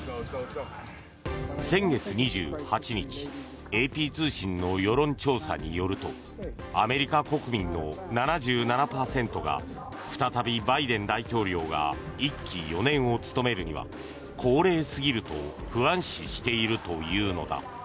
先月２８日ＡＰ通信の世論調査によるとアメリカ国民の７７％が再びバイデン大統領が１期４年を務めるには高齢すぎると不安視しているというのだ。